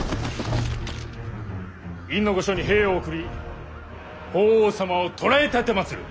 院御所に兵を送り法皇様を捕らえ奉る。